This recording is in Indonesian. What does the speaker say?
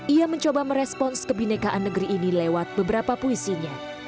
ia mencoba merespons kebinekaan negeri ini lewat beberapa puisinya